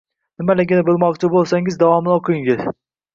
Negaligini bilmoqchi bo‘lsangiz, davomini o‘qing.